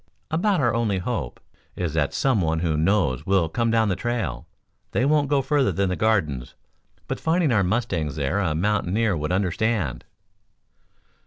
About our only hope is that some one who knows will come down the trail. They won't go further than the Gardens, but finding our mustangs there a mountaineer would understand."